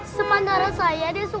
sepandara saya dia suka